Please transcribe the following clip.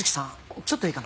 ちょっといいかな？